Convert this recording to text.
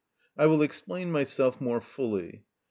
I will explain myself more fully.